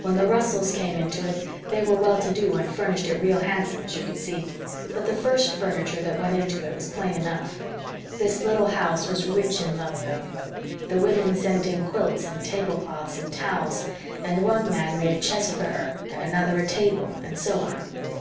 When the Russells came into it they were well to do and furnished it real handsome, as you can see; but the first furniture that went into it was plain enough. This little house was rich in love, though. The women sent in quilts and tablecloths and towels, and one man made a chest for her, and another a table and so on.